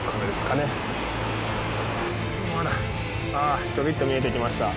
ああちょびっと見えてきました。